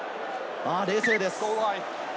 冷静です。